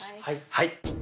はい。